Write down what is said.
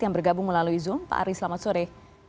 yang bergabung melalui zoom pak ari selamat sore